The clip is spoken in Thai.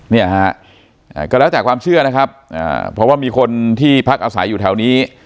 เนี่ยฮะก็แล้วแต่ความเชื่อนะครับเพราะว่ามีคนที่พักอาศัยอยู่แถวนี้